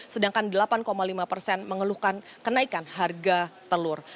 sedangkan delapan lima persen mengeluhkan kenaikan harga telur